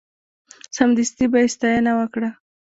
سمدستي به یې ستاینه وکړه.